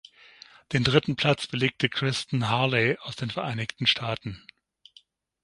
Den dritten Platz belegte Kristen Hurley aus den Vereinigten Staaten.